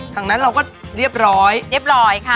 ทางนั้นเราก็เรียบร้อยเรียบร้อยค่ะ